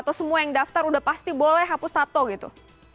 atau semua yang daftar udah pasti boleh hapus satu gitu